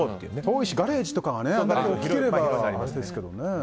遠いし、ガレージとか大きかったらいいですけどね。